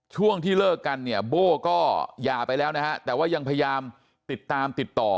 ช่วงที่เลิกกันเนี่ยโบ้ก็หย่าไปแล้วนะฮะแต่ว่ายังพยายามติดตามติดต่อ